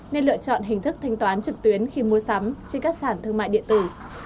nên lựa chọn hình thức thanh toán trực tuyến khi mua sắm trên các sản thương mại điện tử